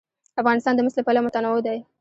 افغانستان د مس له پلوه متنوع دی.